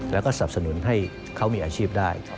แล้วก็สับสนุนให้เขามีอาชีพได้